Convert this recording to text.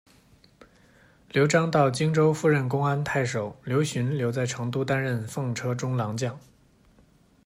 刘璋到荆州赴任公安太守，刘循留在成都担任奉车中郎将。